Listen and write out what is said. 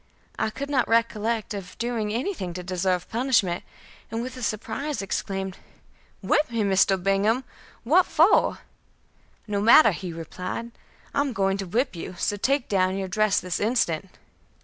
I could not recollect of doing anything to deserve punishment, and with surprise exclaimed: "Whip me, Mr. Bingham! what for?" "No matter," he replied, "I am going to whip you, so take down your dress this instant."